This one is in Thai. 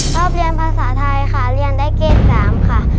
ชอบเรียนภาษาไทยค่ะเรียนได้เกม๓ค่ะ